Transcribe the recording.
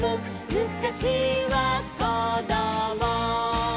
「むかしはこども」